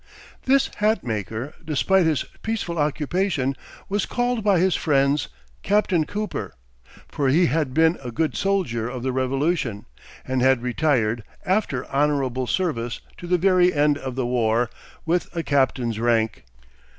This hat maker, despite his peaceful occupation, was called by his friends Captain Cooper, for he had been a good soldier of the Revolution, and had retired, after honorable service to the very end of the war, with a captain's rank.